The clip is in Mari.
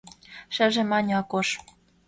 — Шыже, — мане Акош.